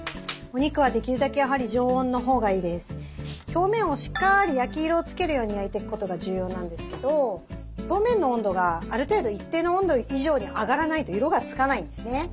表面をしっかり焼き色をつけるように焼いてくことが重要なんですけど表面の温度がある程度一定の温度以上に上がらないと色がつかないんですね。